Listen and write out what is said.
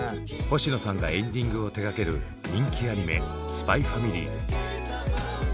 星野さんがエンディングを手がける人気アニメ「ＳＰＹ×ＦＡＭＩＬＹ」。